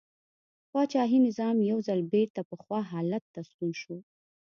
پاچاهي نظام یو ځل بېرته پخوا حالت ته ستون شو.